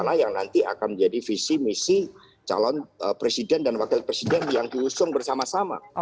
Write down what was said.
jadi itu yang nanti akan menjadi visi misi calon presiden dan wakil presiden yang diusung bersama sama